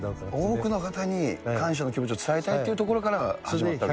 多くの方に感謝の気持ちを伝えたいっていうところから始まったわけですか。